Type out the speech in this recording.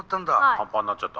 パンパンになっちゃった。